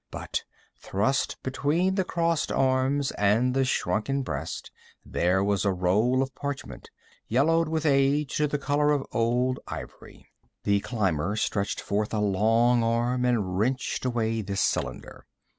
But thrust between the crossed arms and the shrunken breast there was a roll of parchment, yellowed with age to the color of old ivory. The climber stretched forth a long arm and wrenched away this cylinder.